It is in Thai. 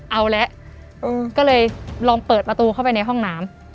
เอาแล้วก็เลยลองเปิดประตูเข้าไปในห้องน้ำ